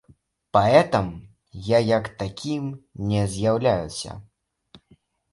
Паэтам я як такім не з'яўляюся.